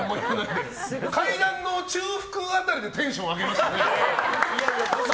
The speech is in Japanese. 階段の中腹辺りでテンション上げましたね。